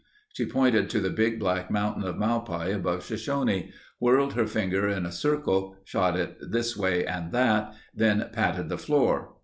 She pointed to the big black mountain of malpai above Shoshone, whirled her finger in a circle, shot it this way and that, then patted the floor.